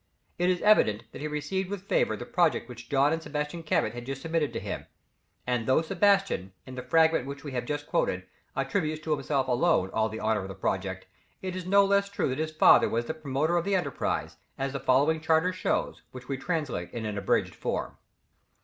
It is evident that he received with favour the project which John and Sebastian Cabot had just submitted to him; and though Sebastian, in the fragment which we have just quoted, attributes to himself alone all the honour of the project, it is not less true that his father was the promoter of the enterprise, as the following charter shows, which we translate in an abridged form.